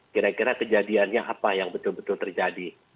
kira kira kejadiannya apa yang betul betul terjadi